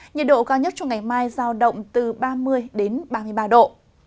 nhiệt độ cao nhất trong ngày mai giao động từ ba mươi đến ba mươi ba độ